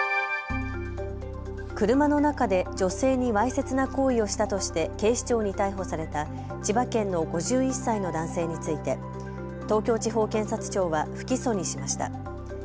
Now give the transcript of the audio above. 車の中で女性にわいせつな行為をしたとして警視庁に逮捕された千葉県の５１歳の男性について東京地方検察庁は不起訴にしました。